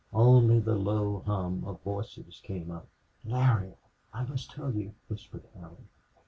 Only the low hum of voices came up. "Larry, I must tell you," whispered Allie.